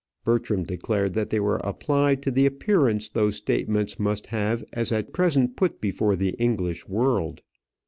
Bertram declared that they were applied to the appearance those statements must have as at present put before the English world.